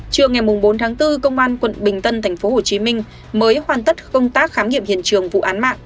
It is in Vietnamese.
trưa ngày bốn tháng bốn công an quận bình tân tp hcm mới hoàn tất công tác khám nghiệm hiện trường vụ án mạng